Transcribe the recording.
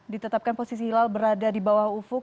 ditetapkan posisi hilal berada di bawah ufuk